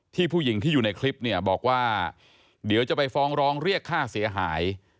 ผู้หญิงที่อยู่ในคลิปเนี่ยบอกว่าเดี๋ยวจะไปฟ้องร้องเรียกค่าเสียหาย